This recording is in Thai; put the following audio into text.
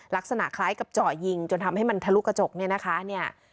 ลักษณะคล้ายกับเจาะยิงจนทำให้มันทะลุกระจกเนี่ยนะคะเนี่ย